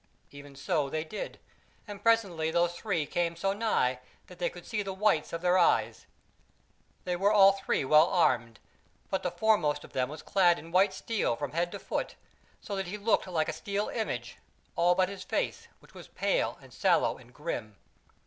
'" Even so they did; and presently those three came so nigh that they could see the whites of their eyes. They were all three well armed, but the foremost of them was clad in white steel from head to foot, so that he looked like a steel image, all but his face, which was pale and sallow and grim.